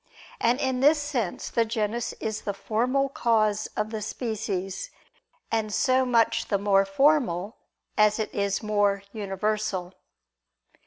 And in this sense the genus is the formal cause of the species; and so much the more formal, as it is more universal.